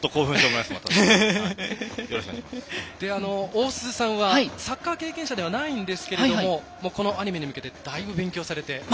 大鈴さんはサッカー経験者ではないんですけどもこのアニメに向けてだいぶ勉強されて。